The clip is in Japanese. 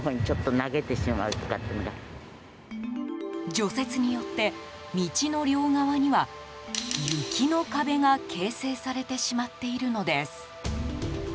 除雪によって、道の両側には雪の壁が形成されてしまっているのです。